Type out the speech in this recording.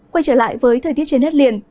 quay trở lại với thời tiết trên đất liền